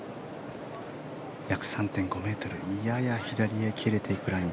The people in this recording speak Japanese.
約３．５ｍやや左へ切れていくライン。